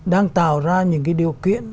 đang tạo ra những cái điều kiện